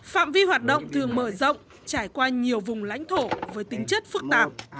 phạm vi hoạt động thường mở rộng trải qua nhiều vùng lãnh thổ với tính chất phức tạp